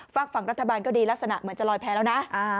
ฝากฝั่งรัฐบาลก็ดีลักษณะเหมือนจะลอยแพ้แล้วนะ